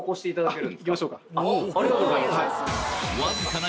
ありがとうございます。